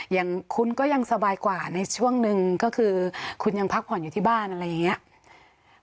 อย่างคุณก็ยังสบายกว่าในช่วงหนึ่งก็คือคุณยังพักผ่อนอยู่ที่บ้านอะไรอย่างนี้